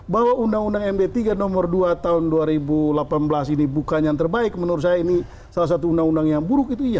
bahwa undang undang md tiga nomor dua tahun dua ribu delapan belas ini bukan yang terbaik menurut saya ini salah satu undang undang yang buruk itu iya